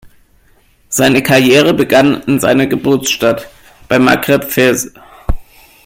Seine Karriere begann in seiner Geburtsstadt, bei Maghreb Fez.